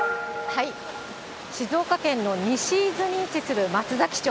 静岡県の西伊豆に位置する松崎町。